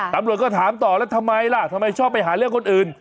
ตำรวจก็ถามต่อแล้วทำไมล่ะทำไมชอบไปหาเรื่องคนอื่น